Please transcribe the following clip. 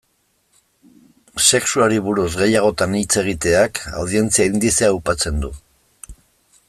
Sexuari buruz gehiagotan hitz egiteak, audientzia indizea aupatzen du.